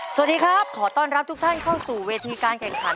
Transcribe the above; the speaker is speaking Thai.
สวัสดีครับขอต้อนรับทุกท่านเข้าสู่เวทีการแข่งขัน